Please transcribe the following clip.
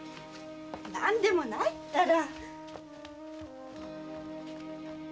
何でもないったら！